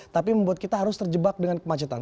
tapi membuat kita harus terjebak dengan kemacetan